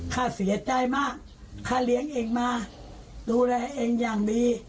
ข้าเสียใจมากค่าเลี้ยงเองมาดูแลเองอย่างดี